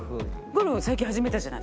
ゴルフは最近始めたじゃない？